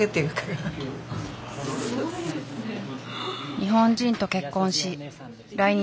日本人と結婚し来日